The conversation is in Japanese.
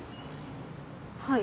はい。